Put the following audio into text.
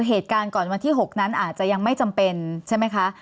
เหตุการณ์ก่อนวันที่๖นั้นอาจจะยังไม่จำเป็นใช่ไหมคะ